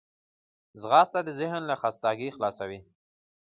ځغاسته د ذهن له خستګي خلاصوي